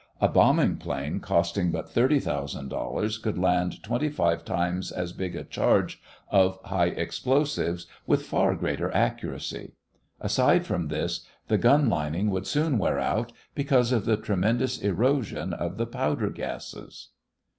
A bombing plane costing but thirty thousand dollars could land twenty five times as big a charge of high explosives with far greater accuracy. Aside from this, the gun lining would soon wear out because of the tremendous erosion of the powder gases.